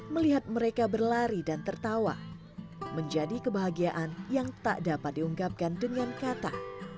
melihat mereka berlari dan tertawa menjadi kebahagiaan yang tak dapat diunggapkan dengan kata